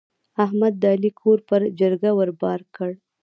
احمد د علي کور پر چرګه ور بار کړ.